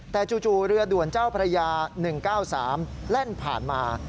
แต่จู่เรือด่วนเจ้าพระยา๑๙๓แล่นผ่านมา